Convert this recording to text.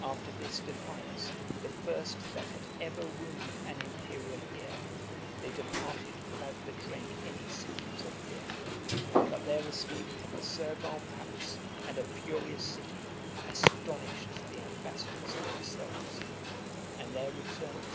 After this defiance, the first that had ever wounded an Imperial ear, they departed without betraying any symptoms of fear; but their escape from a servile palace and a furious city astonished the ambassadors themselves; and their return to the camp was the signal of mutual hostility.